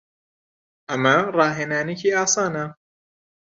ئەمە ڕاهێنانێکی ئاسانە.